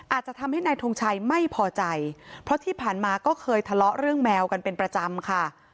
อาจจะทำให้นายทงชัยไม่พอใจเพราะที่ผ่านมาก็เคยทะเลาะเรื่องแมวกันเป็นประจำค่ะ